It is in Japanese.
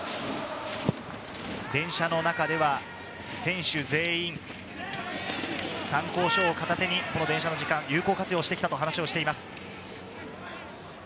電車の中では選手全員、参考書を片手に有効活用してきたと話しています。